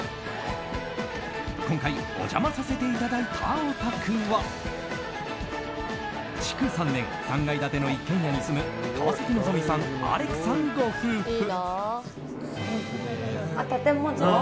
今回、お邪魔させていただいたお宅は築３年、３階建ての一軒家に住む川崎希さん、アレクさんご夫婦。